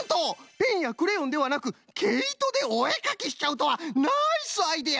ペンやクレヨンではなくけいとでおえかきしちゃうとはナイスアイデア！